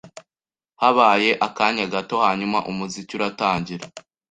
Habaye akanya gato hanyuma umuziki uratangira.